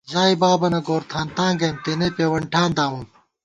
ژائےبابَنہ گورتھانتاں گَئیم، تېنے پېوَن ٹھان دامُوم